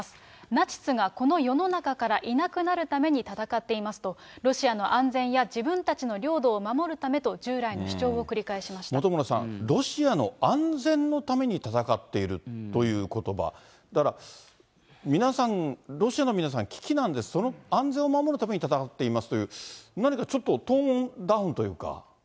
ナチスがこの世の中からいなくなるために戦っていますと、ロシアの安全や自分たちの領土を守るためと従来の主張を繰り返し本村さん、ロシアの安全のために戦っているということば、だから、皆さん、ロシアの皆さん、危機なんで、その安全を守るために戦っていますという、何かちょっと、トーンダウンというか。